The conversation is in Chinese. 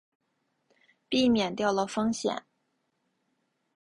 避免掉了风险